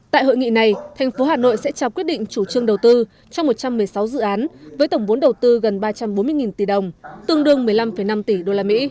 tại hội nghị này thành phố hà nội sẽ trao quyết định chủ trương đầu tư cho một trăm một mươi sáu dự án với tổng vốn đầu tư gần ba trăm bốn mươi tỷ đồng tương đương một mươi năm năm tỷ usd